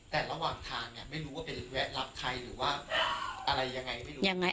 แต่ระหว่างทางเนี่ยไม่รู้ว่าไปแวะรับใครหรือว่าอะไรยังไงไม่รู้